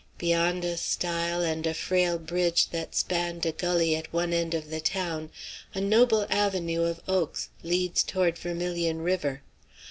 Beyond a stile and a frail bridge that spanned a gully at one end of the town, a noble avenue of oaks leads toward Vermilion River.